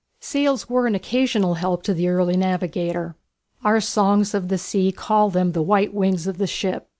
Sails were an occasional help to the early navigator. Our songs of the sea call them the "white wings" of the ship.